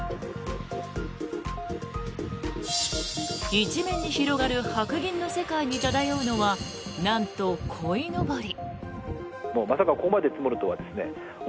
一面に広がる白銀の世界に漂うのはなんと、こいのぼり。